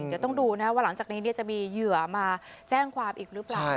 เดี๋ยวต้องดูนะว่าหลังจากนี้จะมีเหยื่อมาแจ้งความอีกหรือเปล่า